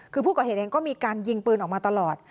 คือผู้ก่อเหตุเองก็มีการยิงปืนออกมาตลอด